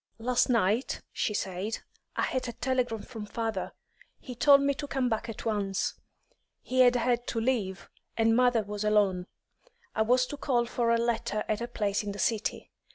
"Last night," she said, "I had a telegram from father. He told me to come back at once; he had had to leave, and mother was alone. I was to call for a letter at a place in the city.